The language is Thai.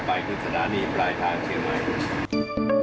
ไปถึงสถานีปลายทางเชียงใหม่